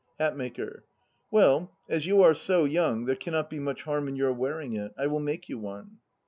HATMAKER. Well, as you are so young there cannot be much harm in your wear ing it. I will make you one.